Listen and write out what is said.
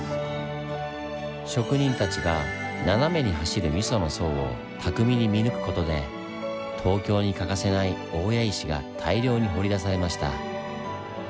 職人たちが斜めに走るミソの層を巧みに見抜く事で東京に欠かせない大谷石が大量に掘り出されました。